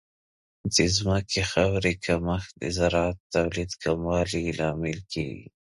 د ځمکې خاورې کمښت د زراعت د تولید کموالی لامل کیږي.